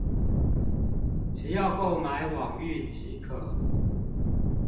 只要購買網域即可